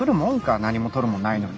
何もとるもんないのに。